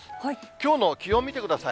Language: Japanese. きょうの気温見てください。